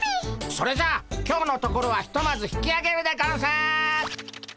それじゃあ今日のところはひとまず引きあげるでゴンス！